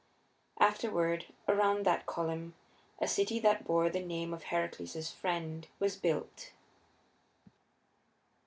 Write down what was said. Afterward, around that column a city that bore the name of Heracles's friend was built.